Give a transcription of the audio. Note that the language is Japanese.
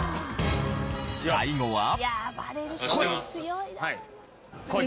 最後は。